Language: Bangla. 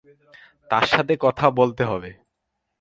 তার সাথে কথা বলতে হবে।